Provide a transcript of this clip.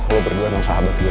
lo berdua sama sahabat gue